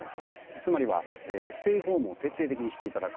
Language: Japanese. つまり、ステイホームを徹底的にしていただく。